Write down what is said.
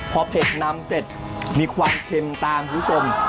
พอเผ็ดนำเสร็จมีความเค็มตามคุณผู้ชม